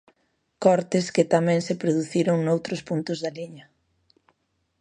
Cortes que tamén se produciron noutros puntos da liña.